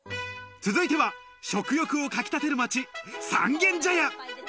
続いては食欲をかきたてる街・三軒茶屋！